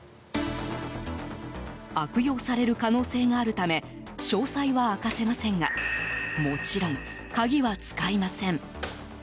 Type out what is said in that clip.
悪用される可能性があるため詳細は明かせませんがもちろん、鍵は使いません。